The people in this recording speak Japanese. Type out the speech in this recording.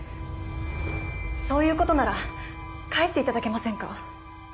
そういうことなら帰っていただけませんか？